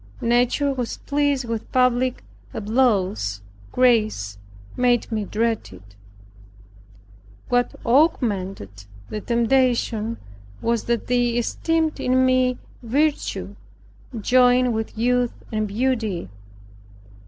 Nature was pleased with public applause; grace made me dread it. What augmented the temptation was that they esteemed in me virtue, joined with youth and beauty.